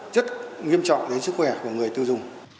rất nghiêm trọng đến sức khỏe của người tư dùng